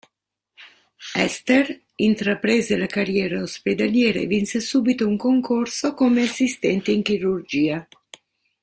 Ester intraprese la carriera ospedaliera e vinse subito un concorso come assistente in chirurgia.